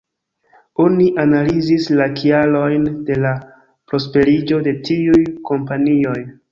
Oni analizis la kialojn de la prosperiĝo de tiuj kompanioj.